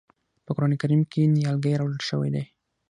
په قرآن کریم کې نیالګی راوړل شوی دی.